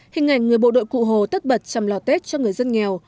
hình ảnh người bộ đội cụ hồ tất bật chằm lò tết cho người dân nghèo